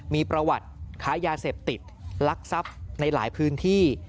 มีประวัติค้ายาเสพติดลักทรัพย์ในหลายพื้นที่